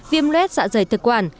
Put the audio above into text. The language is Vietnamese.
viêm lết dạ dày thực quản